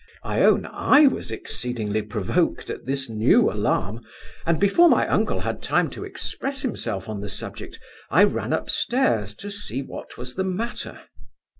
I own I was exceedingly provoked at this new alarm; and before my uncle had time to express himself on the subject, I ran up stairs, to see what was the matter.